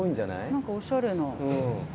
何かおしゃれな。